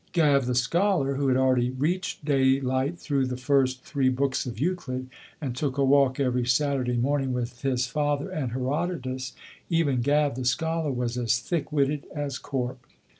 Gav, the scholar, who had already reached daylight through the first three books of Euclid, and took a walk every Saturday morning with his father and Herodotus, even Gav, the scholar, was as thick witted as Corp.